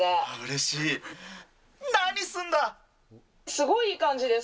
すごいいい感じです。